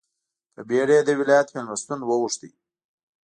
په بېړه یې د ولایت مېلمستون وغوښت.